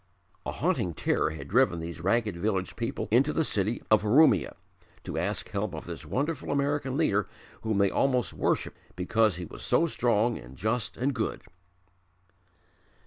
A haunting terror had driven these ragged village people into the city of Urumia, to ask help of this wonderful American leader whom they almost worshipped because he was so strong and just and good.